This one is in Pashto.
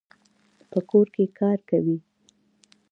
په کور کي کار کوي.